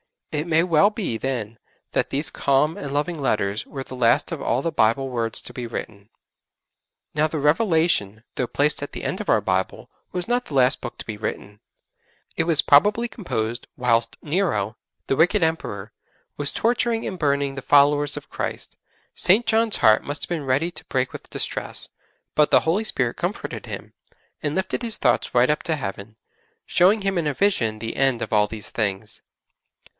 It may well be then that these calm and loving letters were the last of all the Bible words to be written. Now the 'Revelation,' though placed at the end of our Bible, was not the last Book to be written. It was probably composed whilst Nero, the wicked Emperor, was torturing and burning the followers of Christ. St. John's heart must have been ready to break with distress, but the Holy Spirit comforted him, and lifted his thoughts right up to Heaven, showing him in a vision the end of all these things.